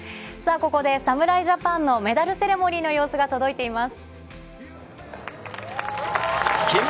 ここで侍ジャパンのメダルセレモニーの様子が届いています。